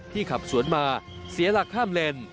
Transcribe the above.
ขับสวนมาเสียหลักข้ามเลน